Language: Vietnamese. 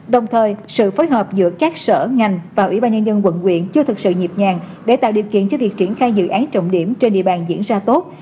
đồng thời sự phối hợp giữa các sở ngành và ủy ban nhân dân quận quyện chưa thực sự nhịp nhàng để tạo điều kiện cho việc triển khai dự án trọng điểm trên địa bàn diễn ra tốt